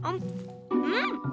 うん！